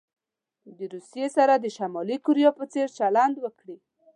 له روسيې سره د شمالي کوریا په څیر چلند وکړي.